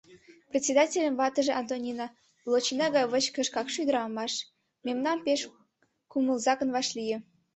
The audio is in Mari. Председательын ватыже Антонина, лочина гай вичкыж, какши ӱдырамаш, мемнам пеш кумылзакын вашлие.